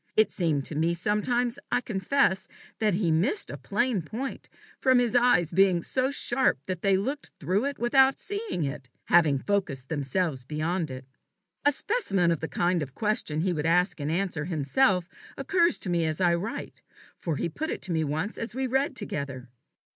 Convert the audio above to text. It seemed to me sometimes, I confess, that he missed a plain point from his eyes being so sharp that they looked through it without seeing it, having focused themselves beyond it. A specimen of the kind of question he would ask and answer himself, occurs to me as I write, for he put it to me once as we read together.